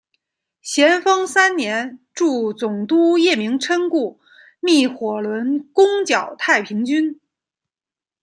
咸丰三年助总督叶名琛雇觅火轮攻剿太平军。